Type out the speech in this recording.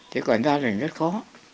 thế còn ra là rất khó